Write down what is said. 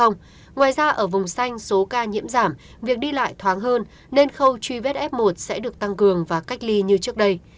ngoài ra ở vùng xanh số ca nhiễm giảm việc đi lại thoáng hơn nên khâu truy vết f một sẽ được tăng cường và cách ly như trước đây